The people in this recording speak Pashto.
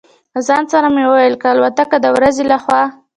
له ځان سره مې وویل: که الوتکه د ورځې له خوا.